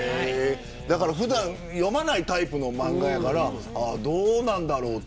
普段、読まないタイプの漫画だからどうなんだろうと。